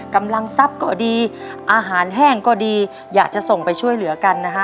กำลังทรัพย์ก็ดีอาหารแห้งก็ดีอยากจะส่งไปช่วยเหลือกันนะฮะ